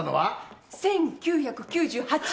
１９９８！